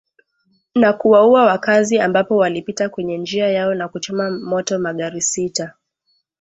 na kuwaua wakazi ambapo walipita kwenye njia yao na kuchoma moto magari sita